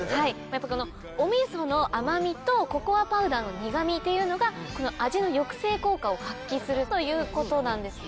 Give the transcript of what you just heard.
お味噌の甘味とココアパウダーの苦味っていうのがこの味の抑制効果を発揮するということなんです。